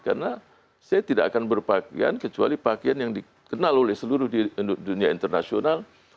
karena saya tidak akan berpakaian kecuali pakaian yang dikenal oleh seluruh di dunia internasional